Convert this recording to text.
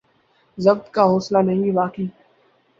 ضبط کا حوصلہ نہیں باقی